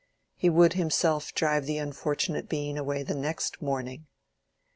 He would himself drive the unfortunate being away the next morning.